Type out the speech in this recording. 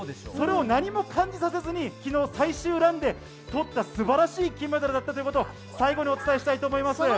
それを何も感じさせずに昨日、最終ランで取った素晴らしい金メダルだったということを最後にお伝えしたいと思います。